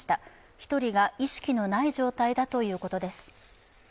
１人が意識のない状態だということです。